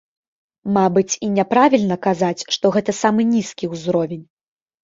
Мабыць, і няправільна казаць, што гэта самы нізкі ўзровень.